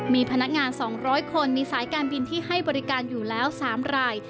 มีพนักงาน๒๐๐คนมีสายการบินที่ให้บริการอยู่แล้ว๓ราย